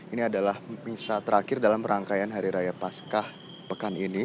ini adalah misa terakhir dalam rangkaian hari raya paskah pekan ini